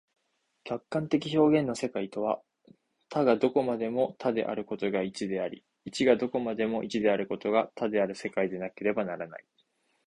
客観的表現の世界とは、多がどこまでも多であることが一であり、一がどこまでも一であることが多である世界でなければならない。